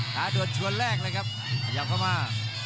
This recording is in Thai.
ด่วนชวนแรกเลยครับขยับเข้ามา